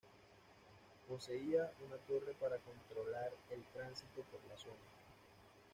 Poseía una torre para controlar el tránsito por la zona.